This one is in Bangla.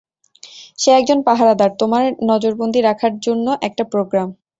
সে একজন পাহারাদার, তোমায় নজরবন্দী রাখার জন্য জন্য একটা প্রোগ্রাম।